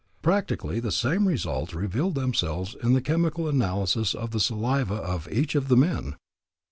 Practically the same results revealed themselves in the chemical analysis of the saliva of each of the men.